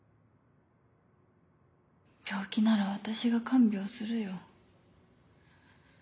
病気なら私が看病するよ。